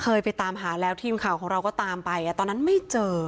เคยไปตามหาแล้วทีมข่าวของเราก็ตามไปตอนนั้นไม่เจอ